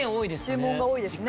注文が多いですね。